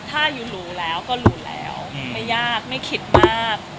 ถ้าอยู่หรูแล้วก็หรูแล้วไม่ยากไม่คิดมาก